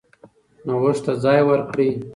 نوښت ته ځای ورکړئ.